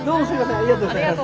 ありがとうございます。